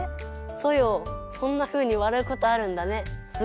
ソヨそんなふうにわらうことあるんだね。